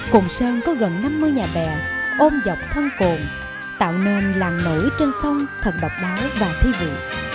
cùng sơn có gần năm mươi nhà bè ôm dọc thân cồn tạo nền làng nổi trên sông thật độc đáo và thí vị